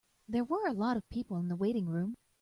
There were a lot of people in the waiting room.